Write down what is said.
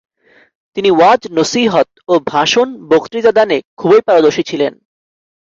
তিনি ওয়াজ-নসীহত ও ভাষণ-বক্তৃতা দানে খুবই পারদর্শী ছিলেন।